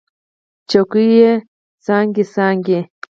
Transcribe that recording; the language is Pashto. څوکې یې څانګې، څانګې